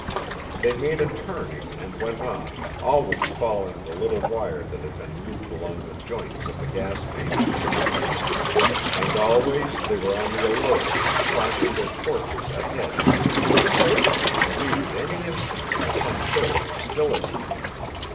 They made a turning, and went on, always following the little wire that had been looped along the joints of the gas main. And always they were on the alert, flashing their torches ahead, expecting to be greeted any instant by some show of hostility.